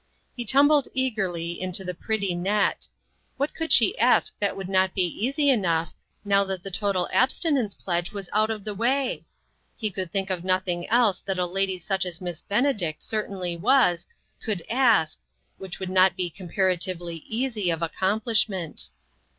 He tumbled eagerly into the pretty net. What could she ask that would not be easy enough, now that the total ab stinence pledge was out of the way? He could think of nothing else that a lady such as Miss Benedict certainly was, could ask, which would not be comparatively easy of accomplishment.